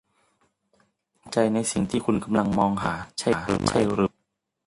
คุณมั่นใจในสิ่งที่คุณกำลังมองหาใช่หรือไม่